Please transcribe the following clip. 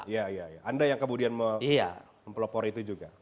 iya iya anda yang kemudian mempelopor itu juga